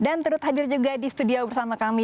dan terhadir juga di studio bersama kami